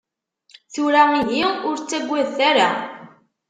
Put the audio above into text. Tura ihi, ur ttagadet ara.